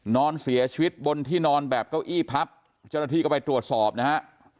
นอนเสียชีวิตบนที่นอนแบบเก้าอี้พับเจ้าหน้าที่ก็ไปตรวจสอบนะฮะ